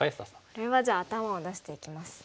これはじゃあ頭を出していきます。